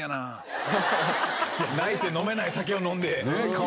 泣いて飲めない酒を飲んで。